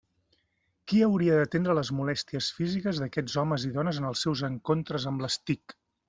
Qui hauria d'atendre les molèsties físiques d'aquests homes i dones en els seus encontres amb les TIC?